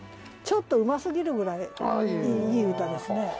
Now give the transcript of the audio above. ちょっとうますぎるぐらいいい歌ですね。